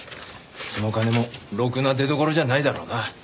その金もろくな出どころじゃないだろうな。